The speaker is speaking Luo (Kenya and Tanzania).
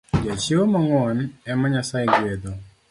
Jachiwo mang’uon ema Nyasaye gwedho